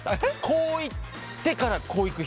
こういってからこういく人。